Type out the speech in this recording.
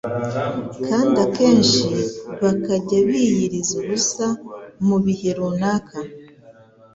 kandi akenshi bakajya biyiriza ubusa mu bihe runaka,